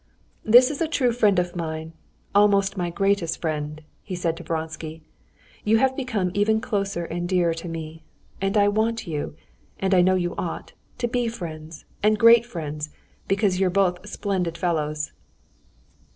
"This is a true friend of mine—almost my greatest friend," he said to Vronsky. "You have become even closer and dearer to me. And I want you, and I know you ought, to be friends, and great friends, because you're both splendid fellows."